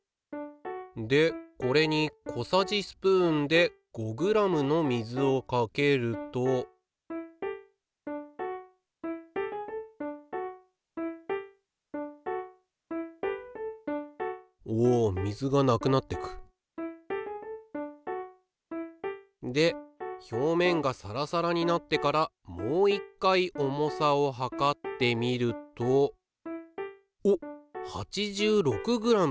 でこれに小さじスプーンで５ｇの水をかけるとおお水がなくなってくで表面がサラサラになってからもう一回重さをはかってみるとおっ８６ｇ。